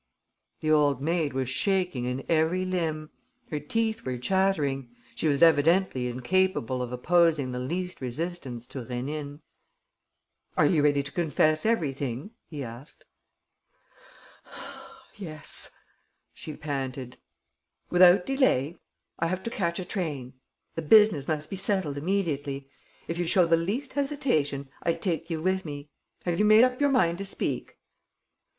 The old maid was shaking in every limb. Her teeth were chattering. She was evidently incapable of opposing the least resistance to Rénine. "Are you ready to confess everything?" he asked. "Yes," she panted. "Without delay? I have to catch a train. The business must be settled immediately. If you show the least hesitation, I take you with me. Have you made up your mind to speak?"